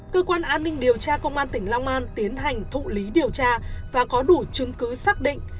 cơ quan an ninh điều tra công an tỉnh long an tiến hành thụ lý điều tra và có đủ chứng cứ xác định